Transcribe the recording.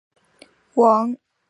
王通均不出兵进攻。